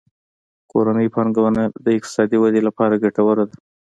کورنۍ پانګونه د اقتصادي ودې لپاره ګټوره ده.